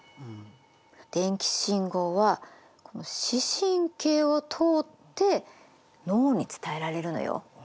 電気信号はこの視神経を通って脳に伝えられるのよ。